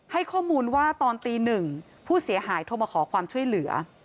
ให้ข้อมูลว่าตอนตีหนึ่งผู้เสียหายโทรมาขอความช่วยเหลือ